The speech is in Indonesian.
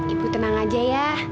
ibu tenang aja ya